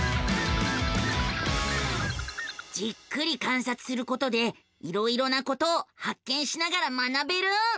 じっくり観察することでいろいろなことを発見しながら学べる。